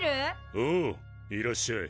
おういらっしゃい。